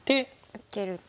受けると。